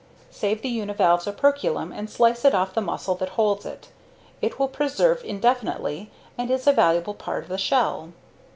Save the univalve's operculum and slice it off the muscle that holds it. It will preserve indefinitely and is a valuable part of the shell.